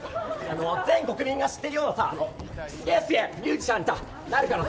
全国民が知ってるようなすげえ、すげえミュージシャンになるからさ。